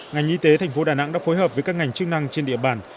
ngành y tế thành phố đà nẵng đã phối hợp với các ngành chức năng trên địa bàn